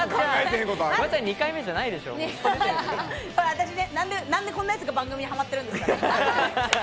私ね、なんで、こんなやつが番組にはまってるんですか？